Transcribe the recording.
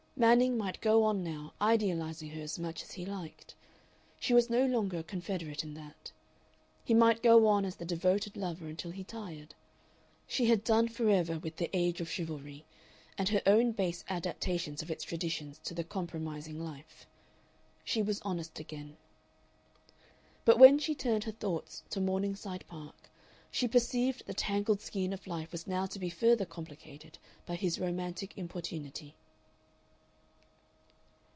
Manning might go on now idealizing her as much as he liked. She was no longer a confederate in that. He might go on as the devoted lover until he tired. She had done forever with the Age of Chivalry, and her own base adaptations of its traditions to the compromising life. She was honest again. But when she turned her thoughts to Morningside Park she perceived the tangled skein of life was now to be further complicated by his romantic importunity.